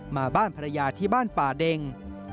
มาบ้านภรรยาที่บ้านป่าเด็ง